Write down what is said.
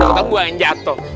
otak gue yang jatuh